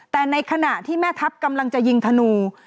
แต่ในขณะที่แม่ทัพกำลังจะยิงธนู